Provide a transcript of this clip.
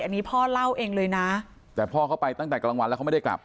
อันนี้พ่อเล่าเองเลยนะแต่พ่อเขาไปตั้งแต่กลางวันแล้วเขาไม่ได้กลับ